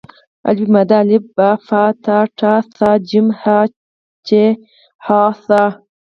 آا ب پ ت ټ ث ج ح چ خ څ